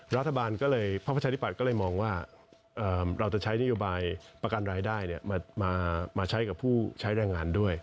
รัฐบาลก็เลยมองว่าเราจะใช้นิยบายประกันรายได้มาใช้กับผู้ใช้แรงงานด้วย